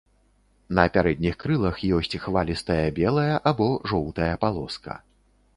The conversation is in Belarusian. На пярэдніх крылах ёсць хвалістая белая або жоўтая палоска.